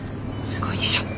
すごいでしょう。